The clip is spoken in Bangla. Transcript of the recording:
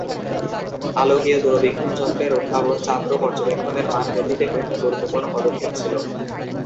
আলোকীয় দূরবীক্ষণ যন্ত্রের উদ্ভাবন চান্দ্র পর্যবেক্ষণের মান বৃদ্ধিতে প্রথম গুরত্বপূর্ণ পদক্ষেপ ছিল।